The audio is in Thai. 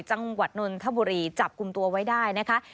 จังหวัดนนทบุรีจับกลุ่มตัวไว้ได้นะคะ